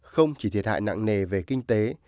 không chỉ thiệt hại nặng nề về kinh tế